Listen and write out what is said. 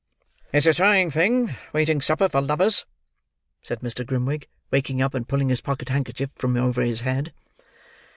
"It's a trying thing waiting supper for lovers," said Mr. Grimwig, waking up, and pulling his pocket handkerchief from over his head.